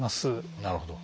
なるほど。